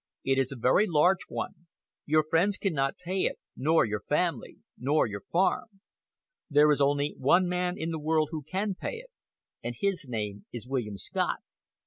"It is a very large one. Your friends cannot pay it, nor your family, nor your farm. There is only one man in the world who can pay it, and his name is William Scott.